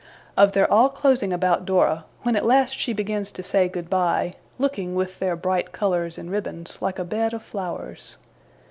Of their all closing about Dora, when at last she begins to say good bye, looking, with their bright colours and ribbons, like a bed of flowers.